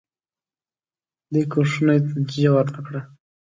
دې کوښښونو هیڅ نتیجه ورنه کړه.